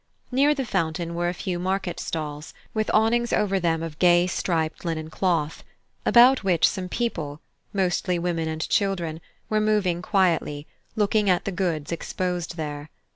Near the fountain were a few market stalls, with awnings over them of gay striped linen cloth, about which some people, mostly women and children, were moving quietly, looking at the goods exposed there.